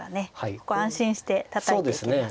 ここ安心してたたいていけます。